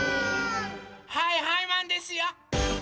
はいはいマンですよ！